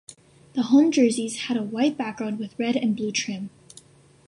The home jerseys had a white background with red and blue trim.